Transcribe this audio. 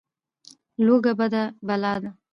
لوږه بده بلا ده.